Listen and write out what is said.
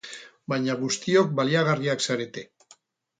Baina guztiok baliagarriak zarete.